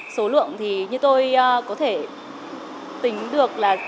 số lượng thì như tôi có thể tính được là